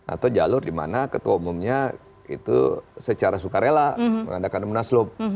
atau jalur dimana ketua umumnya itu secara sukarela mengandalkan munaslub